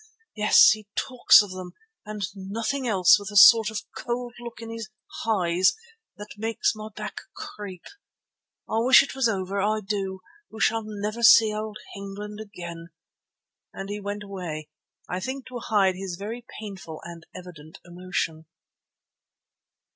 Yes, he talks of them and nothing else with a sort of cold look in his eyes that makes my back creep. I wish it was over, I do, who shall never see old England again," and he went away, I think to hide his very painful and evident emotion.